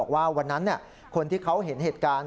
ว่าวันนั้นคนที่เขาเห็นเหตุการณ์